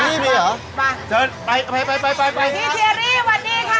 พี่ทีระรี่วันนี้ค่ะ